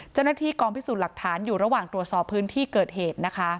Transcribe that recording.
เจ้าหน้าที่กองพิสูจน์หลักฐานอยู่ระหว่างตรวจสอบพื้นที่เกิดเหตุนะคะ